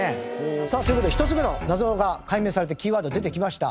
さあという事で１つ目の謎が解明されてキーワード出てきました。